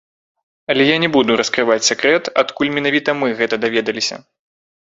Але я не буду раскрываць сакрэт, адкуль менавіта мы гэта даведаліся.